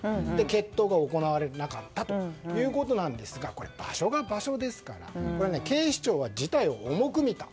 決闘が行われなかったということなんですがこれ、場所が場所ですから警視庁が事態を重く見た。